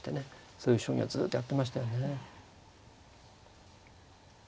そういう将棋をずっとやってましたよね。